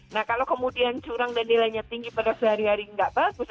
nah kalau kemudian curang dan nilainya tinggi pada sehari hari nggak bagus